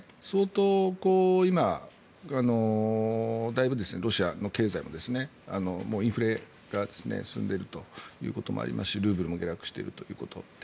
相当今、だいぶロシアの経済ももうインフレが進んでいるということもありますしルーブルも下落しているということ。